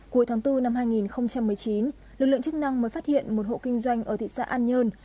cuối tháng bốn năm hai nghìn một mươi chín lực lượng chức năng mới phát hiện một hộ kinh doanh ở thị xã an nhơn